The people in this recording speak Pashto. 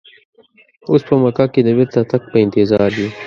اوس په مکه کې د بیرته تګ په انتظار یو.